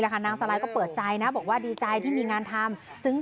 ให้กินให้เฉยยังให้กินได้มาทำเลย